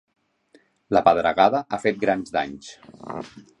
La pedregada ha fet grans danys.